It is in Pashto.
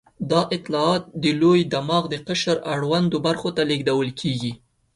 دا اطلاعات د لوی دماغ د قشر اړوندو برخو ته لېږدول کېږي.